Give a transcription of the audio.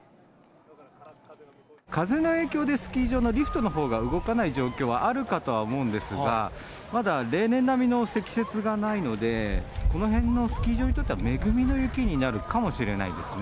風の影響でスキー場のリフトのほうが動かない状況はあるかとは思うんですが、まだ例年並みの積雪がないので、この辺のスキー場にとっては、恵みの雪になるかもしれないですね。